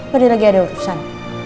berde lagi ada urusan